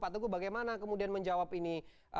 pak teguh bagaimana kemudian menjawab ini